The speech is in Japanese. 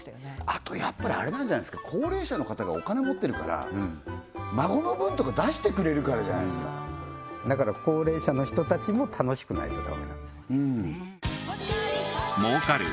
あとあれなんじゃないですか高齢者の方がお金持ってるから孫の分とか出してくれるからじゃないですかだから高齢者の人たちも楽しくないとダメなんです